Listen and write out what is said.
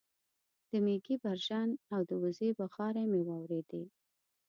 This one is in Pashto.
د مېږې برژن او د وزې بغارې مې واورېدې